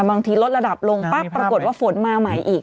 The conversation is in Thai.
บางทีลดระดับลงปั๊บปรากฏว่าฝนมาใหม่อีก